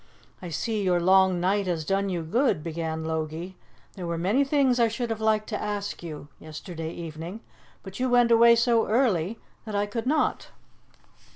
"I see your long night has done you good," began Logie. "There were many things I should have liked to ask you, yesterday evening, but you went away so early that I could not."